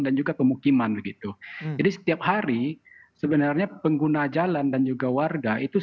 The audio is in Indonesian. dan juga pemukiman begitu